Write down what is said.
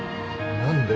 何で。